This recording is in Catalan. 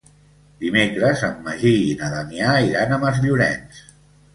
Dimecres en Magí i na Damià iran a Masllorenç.